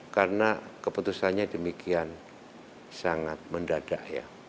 karena keputusannya demikian sangat mendadak